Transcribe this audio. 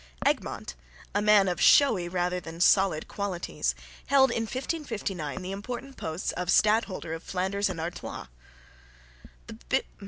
Egmont, a man of showy rather than of solid qualities, held in 1559 the important posts of Stadholder of Flanders and Artois.